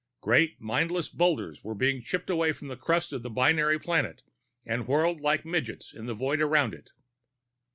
Great mindless boulders were chipping away from the crust of the binary planet and whirling like midges in the void around it.